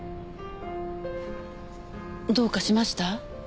どうかしました？